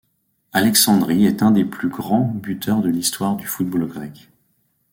Alexandris est un des plus grands buteurs de l'histoire du football grec.